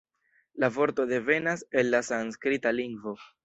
La vorto devenas el la sanskrita lingvo.